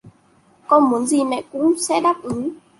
Con muốn gì mẹ cũng sẽ đáp ứng